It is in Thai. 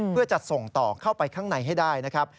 เพื่อจะส่งต่อเข้าไปข้างในให้ได้นะครับ